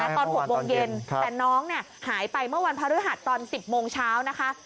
ตอน๖โมงเย็นแต่น้องหายไปเมื่อวันพระฤหัสตอน๑๐โมงเช้านะคะ